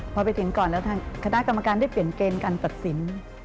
พอไปถึงก่อนแล้วทางคณะกรรมการได้เปลี่ยนเกณฑ์การตัดสิน